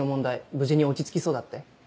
無事に落ち着きそうだって？